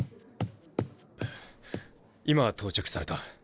今到着された。